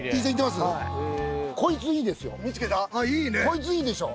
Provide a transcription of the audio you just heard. こいついいでしょ。